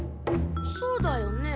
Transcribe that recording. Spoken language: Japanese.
そうだよね。